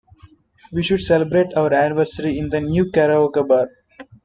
We should celebrate our anniversary in the new karaoke bar.